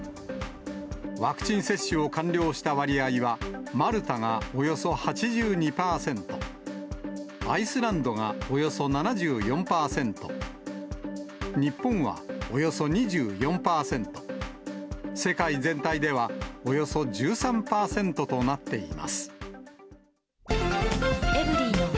ワクチン接種を完了した割合はマルタがおよそ８２％、アイスランドがおよそ７４％、日本はおよそ２４％、世界全体ではおよそ１３％となっています。